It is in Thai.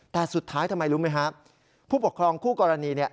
แต่สุดท้ายทำไมรู้ไหมครับผู้ปกครองคู่กรณีเนี่ย